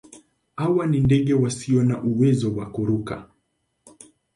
Hawa ni ndege wasio na uwezo wa kuruka.